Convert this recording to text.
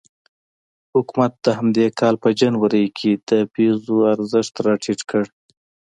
حکومت د همدې کال په جنوري کې د پیزو ارزښت راټیټ کړ.